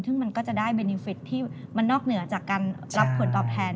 ซึ่งมันก็จะได้เบนิฟิตที่มันนอกเหนือจากการรับผลตอบแทน